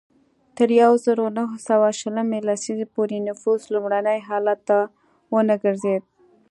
تر یوه زرو نهه سوه شلمې لسیزې پورې نفوس لومړني حالت ته ونه ګرځېد.